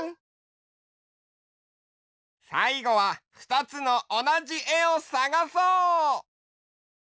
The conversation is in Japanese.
さいごはふたつのおなじえをさがそう！